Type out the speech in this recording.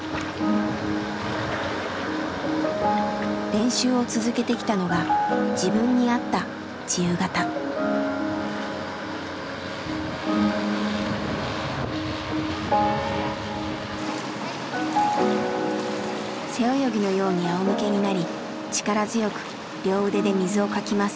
練習を続けてきたのが背泳ぎのようにあおむけになり力強く両腕で水をかきます。